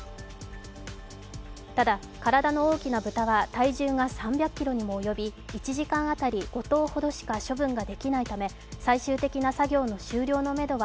ただ体の大きな豚は体重が３００ｋｇにもおよび１時間当たり５頭ほどしか処分ができないため最終的な作業の終了